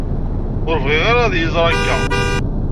Ur bɣiɣ ara ad iyi-iẓer akka.